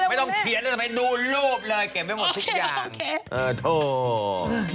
แย่บินออกไปดูรูปเลย